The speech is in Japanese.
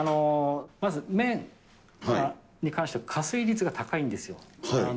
まず麺に関しては加水率が高いんですよ。